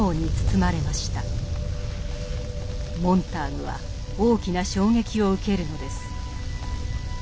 モンターグは大きな衝撃を受けるのです。